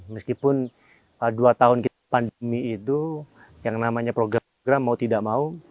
meskipun dua tahun pandemi itu yang namanya program mau tidak mau